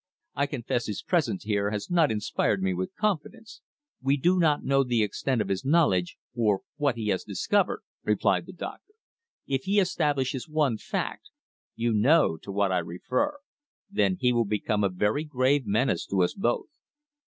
"I confess his presence here has not inspired me with confidence. We do not know the extent of his knowledge, or what he has discovered," replied the doctor. "If he establishes one fact you know to what I refer then he will become a very grave menace to us both."